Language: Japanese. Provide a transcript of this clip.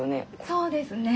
そうですね。